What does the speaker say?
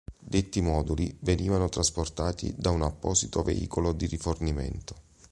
Detti moduli venivano trasportati da un apposito veicolo di rifornimento.